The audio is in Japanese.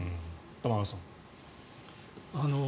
玉川さん。